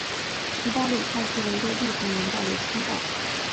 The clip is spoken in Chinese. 十八里汰戏楼的历史年代为清代。